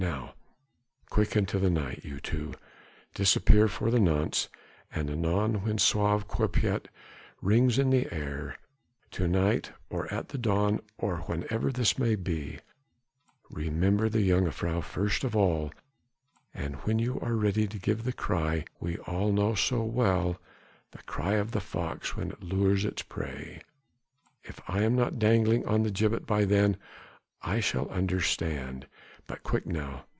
Now quick into the night, you two disappear for the nonce, and anon when sauve qui peut rings in the air to night or at dawn or whenever this may be, remember the jongejuffrouw first of all and when you are ready give the cry we all know so well the cry of the fox when it lures its prey. If I am not dangling on a gibbet by then, I shall understand. But quick now!